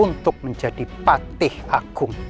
untuk menjadi patih agung